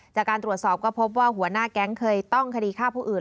จากการตรวจสอบก็พบว่าหัวหน้าแก๊งเคยต้องคดีฆ่าผู้อื่น